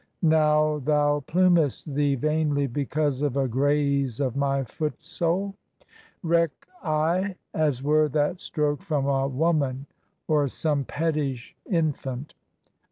Now thou plumest thee vainly because of a graze of my footsole; Reck I as were that stroke from a woman or some pettish infant.